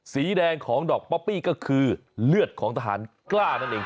สีแดงของดอกป๊อปปี้ก็คือเลือดของทหารกล้านั่นเอง